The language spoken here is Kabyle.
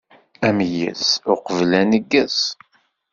Ameyyez uqbel uneggez.